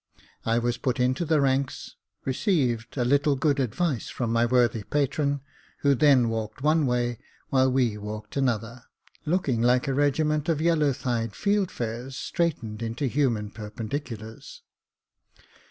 I was put into the ranks, received a little good advice from my worthy patron, who then walked away one way, while we w:alked another, looking like a regiment of yellow thighed field fares straightened into human per pendiculars.